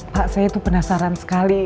pak saya itu penasaran sekali